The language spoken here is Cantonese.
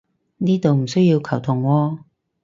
呢度唔需要球僮喎